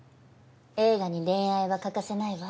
映画に恋愛は欠かせないわ。